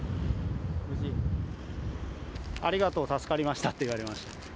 ありがとう、助かりましたって言われました。